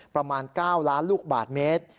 ประมาณ๙ล้านลูกบาทเมตร